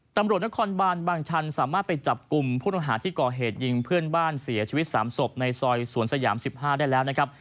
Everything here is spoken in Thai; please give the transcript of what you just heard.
ตำรวจนครบานบางชันสามารถไปจับกลุ่มผู้ต้องหาที่ก่อเหตุยิงเพื่อนบ้านเสียชีวิต๓ศพในซอยสวนสยาม๑๕ได้แล้วนะครับ